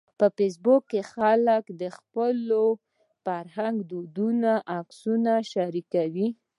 په فېسبوک کې خلک د خپلو فرهنګي دودونو عکسونه شریکوي